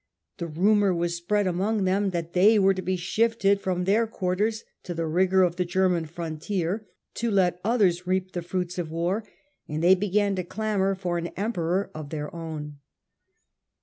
The rumour was spread among them that they were to be shifted from their quarters to the rigour of the German frontier, to let others reap the fruits of war ; and they began to clamour for an em peror of their own.